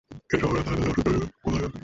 সে সম্ভাবনা তাহার কাছে অসহ্য বোধ হইল।